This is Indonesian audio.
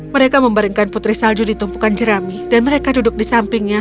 mereka membaringkan putri salju di tumpukan jerami dan mereka duduk di sampingnya